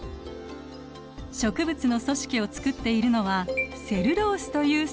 植物の組織を作っているのはセルロースという繊維。